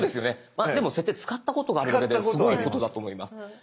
まあでも「設定」使ったことがあるだけですごいことだと思います。